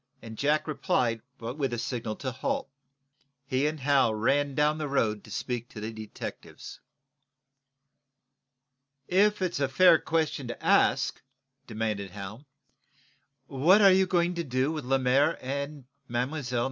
Jack replied by a signal to halt. He and Hal ran down to the road to speak to the detectives. "If it's a fair question to ask," demanded Hal, "what are you going to do with Lemaire and Mlle.